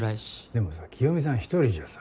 でもさ清美さん一人じゃさ。